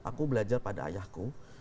aku belajar pada ayahku